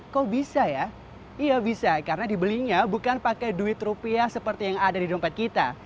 kok bisa ya iya bisa karena dibelinya bukan pakai duit rupiah seperti yang ada di dompet kita